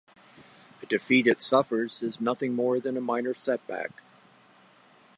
A defeat it suffers is nothing more than a minor setback.